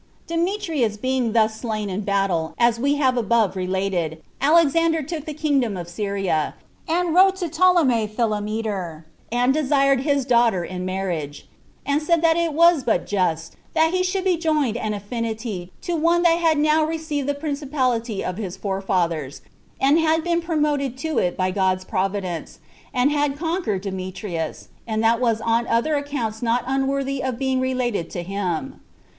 1. Demetrius being thus slain in battle, as we have above related, Alexander took the kingdom of Syria; and wrote to Ptolemy Philometor, and desired his daughter in marriage; and said it was but just that he should be joined an affinity to one that had now received the principality of his forefathers, and had been promoted to it by God's providence, and had conquered Demetrius, and that was on other accounts not unworthy of being related to him.